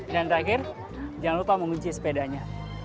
dan terakhir jangan lupa mengunci sepedanya